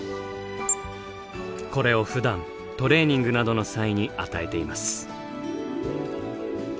これをふだんトレーニングなどの際に与えています。